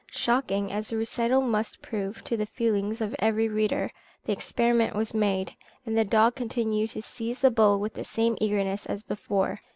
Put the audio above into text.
Shocking as the recital must prove to the feelings of every reader, the experiment was made, and the dog continued to seize the bull with the same eagerness as before.